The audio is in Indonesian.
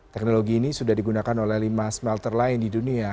teknologi ini sudah digunakan oleh lima smelter lain di dunia